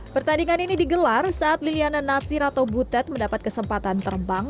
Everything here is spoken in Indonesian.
pertandingan ini digelar saat liliana natsir atau butet mendapat kesempatan terbang